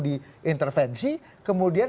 di intervensi kemudian